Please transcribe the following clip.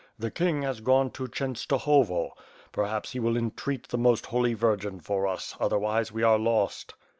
The King has gone to Chenstohovo. Perhaps he will entreat the most Holy Virgin for us; otherwise we are lost."